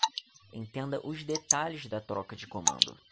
Entenda os detalhes da troca de comando